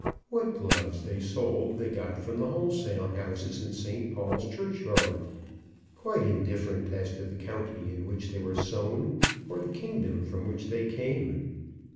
What gloves they sold, they got from the wholesale houses in St. Paul's Churchyard, quite indifferent as to the county in which they were sewn, or the kingdom from which they came.